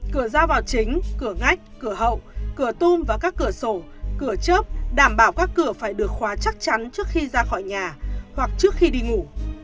cửa ra vào chính cửa ngách cửa hậu cửa tung và các cửa sổ cửa chớp đảm bảo các cửa phải được khóa chắc chắn trước khi ra khỏi nhà hoặc trước khi đi ngủ